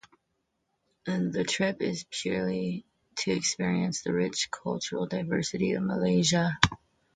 This trip is purely to experience the rich cultural diversity of Malaysia.